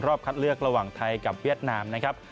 คัดเลือกระหว่างไทยกับเวียดนามนะครับ